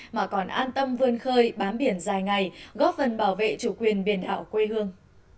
mà còn an tâm vươn khơi bám biển dài ngày góp phần bảo vệ chủ quyền biển đảo quê hương